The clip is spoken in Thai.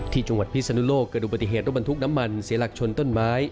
ที่จังหวัดพิศนุโลกเกิดดูปฏิเหตุรถบรรทุกน้ำมันเสียหลักชนต้นไม้